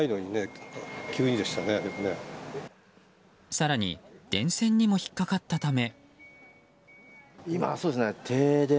更に電線にも引っかかったため。